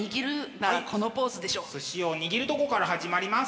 寿司を握るとこから始まります。